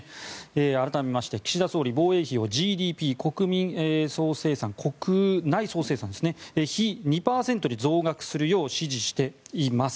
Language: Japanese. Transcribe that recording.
改めまして岸田総理防衛費をＧＤＰ・国内総生産比２％に増額するよう指示しています。